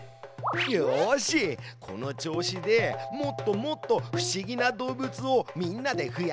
よしこの調子でもっともっと不思議な動物をみんなで増やしてあげようよ。